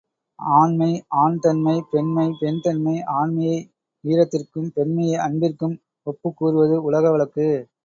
ஆண்மை, ஆண் தன்மை பெண்மை, பெண் தன்மை, ஆண்மையை வீரத்திற்கும், பெண்மையை அன்பிற்கும் ஒப்புக் கூறுவது உலக வழக்கு.